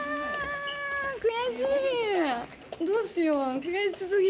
どうしよう？